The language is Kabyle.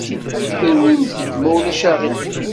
Inimt-d ma ulac aɣilif.